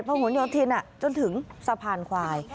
เพราะหวนยอดทินจนถึงสะพานควาย